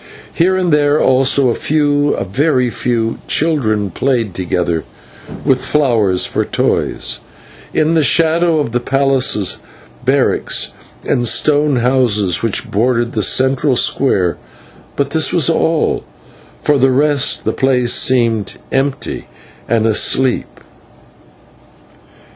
Here and there also a few a very few children played together with flowers for toys in the shadow of the palaces, barracks, and store houses which bordered the central square; but this was all, for the rest the place seemed empty and asleep.